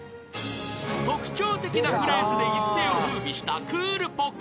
［特徴的なフレーズで一世を風靡したクールポコ。］